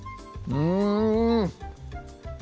うん！